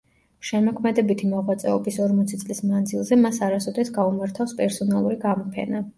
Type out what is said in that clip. შემოქმედებითი მოღვაწეობის ორმოცი წლის მანძილზე მას არასოდეს გაუმართავს პერსონალური გამოფენა.